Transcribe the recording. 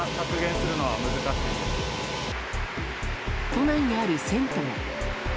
都内にある銭湯。